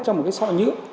trong một cái sọ nhựa